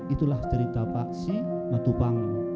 itulah cerita pak simatupang